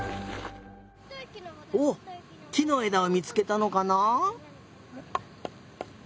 おっきのえだをみつけたのかな？